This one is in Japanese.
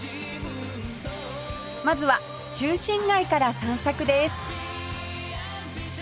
まずは中心街から散策です